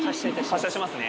発車しますね。